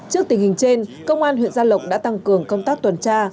trước tình hình trên công an huyện gia lộc đã tăng cường công tác tuần tra